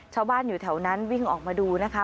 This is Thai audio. ชาวบ้านอยู่แถวนั้นวิ่งออกมาดูนะคะ